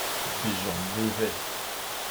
Des gens mauvais.